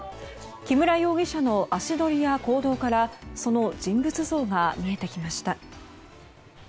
木村容疑者の足取りや行動からその人物像が見えてきました。